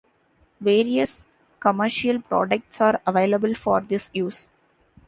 Various commercial products are available for this use.